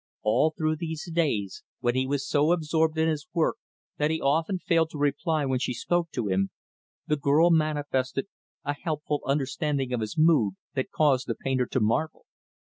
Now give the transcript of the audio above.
A11 through those days, when he was so absorbed in his work that he often failed to reply when she spoke to him, the girl manifested a helpful understanding of his mood that caused the painter to marvel.